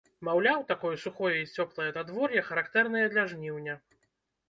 Маўляў, такое сухое і цёплае надвор'е характэрнае для жніўня.